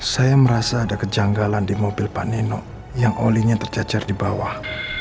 saya merasa ada kejanggalan di mobil pak neno yang olinya tercecer di bawah